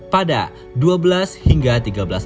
pada dua belas hingga tiga belas